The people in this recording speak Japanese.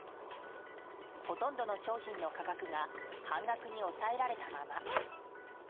ほとんどの商品の価格が半額に抑えられたまま。